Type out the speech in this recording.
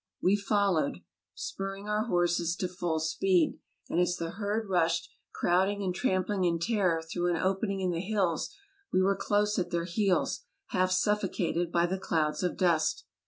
We followed, spurring our horses to full speed; and as the herd rushed, crowding and trampling in terror through an open ing in the hills, we were close at their heels, half suffocated by the clouds of dust.